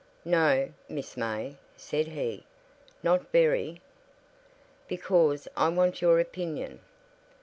"No, Miss May," said he, "not very." "Because I want your opinion."